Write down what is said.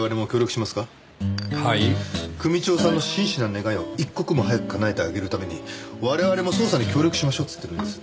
組長さんの真摯な願いを一刻も早く叶えてあげるために我々も捜査に協力しましょうって言ってるんです。